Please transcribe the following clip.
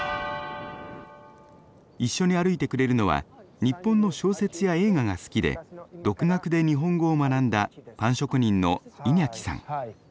一緒に歩いてくれるのは日本の小説や映画が好きで独学で日本語を学んだパン職人のイニャキさん。